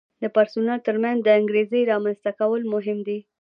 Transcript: د پرسونل ترمنځ د انګیزې رامنځته کول مهم دي.